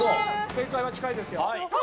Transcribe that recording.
正解は近いですよ。